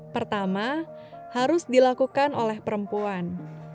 pertama harus dilakukan oleh perempuan